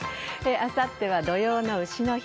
あさっては土用の丑の日。